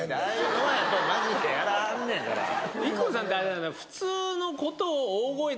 ＩＫＫＯさんって。